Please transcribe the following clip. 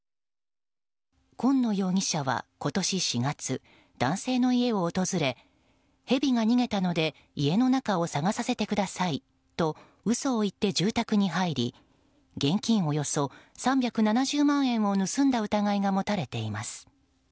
今野容疑者は今年４月男性の家を訪れヘビが逃げたので家の中を探させてくださいと嘘を言って住宅に入り現金およそ３７０万円を盗んだ疑いが持たれています。